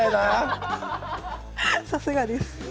さすがです。